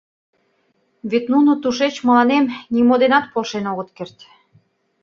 Вет нуно тушеч мыланем нимо денат полшен огыт керт.